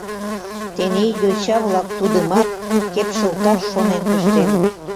Тений йоча-влак тудымат кепшылташ шонен пыштеныт.